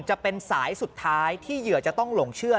จะเป็นสายสุดท้ายที่เหยื่อจะต้องหลงเชื่อ